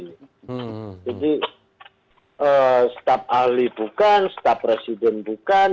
jadi staf ali bukan staf presiden bukan